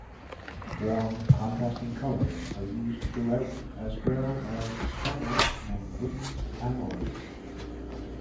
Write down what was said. Warm contrasting colours are used throughout as well as stonework and wooden panelling.